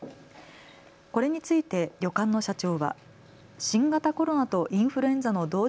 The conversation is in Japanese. これについて旅館の社長は新型コロナとインフルエンザの同時